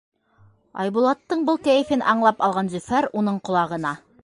Айбулаттың был кәйефен аңлап алған Зөфәр уның ҡолағына: